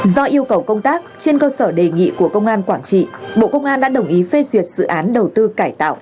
do yêu cầu công tác trên cơ sở đề nghị của công an quảng trị bộ công an đã đồng ý phê duyệt dự án đầu tư cải tạo